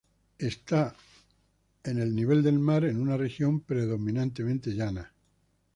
Está al nivel del mar en una región predominante llana.